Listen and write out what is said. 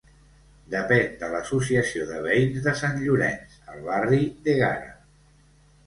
Depèn de l'associació de veïns de Sant Llorenç, al barri d'Ègara.